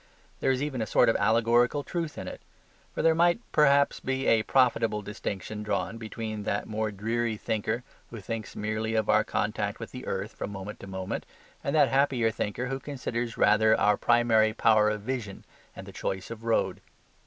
There is even a sort of allegorical truth in it. For there might, perhaps, be a profitable distinction drawn between that more dreary thinker who thinks merely of our contact with the earth from moment to moment, and that happier thinker who considers rather our primary power of vision and of choice of road.